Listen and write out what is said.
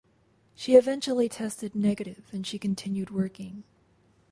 She eventually tested negative and she continued working.